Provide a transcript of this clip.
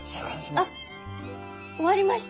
あっ終わりました。